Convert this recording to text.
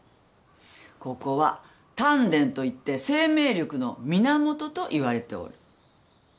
ここは丹田といって生命力の源といわれておる。